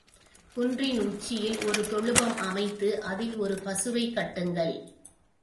குன்றின் உச்சியில் ஒரு தொழுவம் அமைத்து அதில் ஒரு பசுவைக் கட்டுங்கள்.